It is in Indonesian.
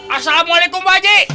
assalamualaikum pak haji